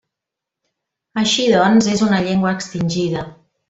Així doncs, és una llengua extingida.